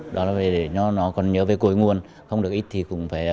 đó là để nó còn nhớ về cối nguồn không được ít thì cũng phải